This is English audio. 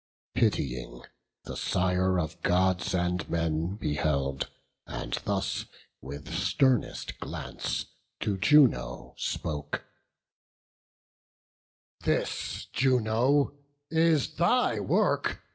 Pitying, the Sire of Gods and men beheld, And thus, with sternest glance, to Juno spoke: "This, Juno, is thy work!